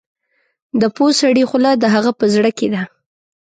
د پوه سړي خوله د هغه په زړه کې ده.